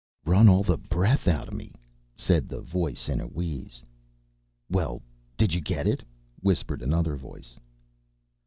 "Run all the breath out of me," said the voice in a wheeze. "Well, did you get it?" whispered another voice.